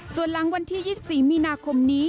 ส่วนหลังวันที่๒๔มีนาคมนี้